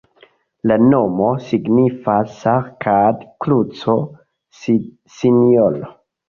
La nomo signifas Sarkad-kruco-Sinjoro.